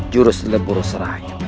jurus lebur serayu